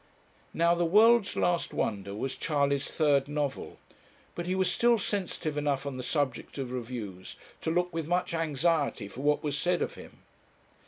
"' Now 'The World's Last Wonder' was Charley's third novel; but he was still sensitive enough on the subject of reviews to look with much anxiety for what was said of him.